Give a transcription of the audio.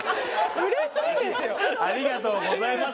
有吉さんありがとうございます。